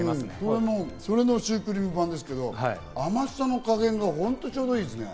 それのシュークリーム版ですけど、甘さの加減が本当にちょうどいいですね。